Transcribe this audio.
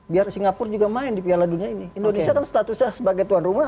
biar singapura juga main di piala dunia ini indonesia kan statusnya sebagai tuan rumah